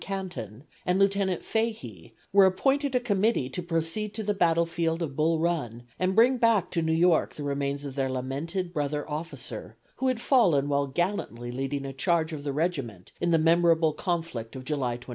Canton and Lieutenant Fahy were appointed a committee to proceed to the battlefield of Bull Run and bring back to New York the remains of their lamented brother officer, who had fallen while gallantly leading a charge of the regiment in the memorable conflict of July 21.